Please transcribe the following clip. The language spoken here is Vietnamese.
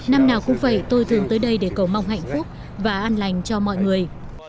năm nào cũng vậy tôi thường tới đây để cầu mong hạnh phúc và an lành cho mọi người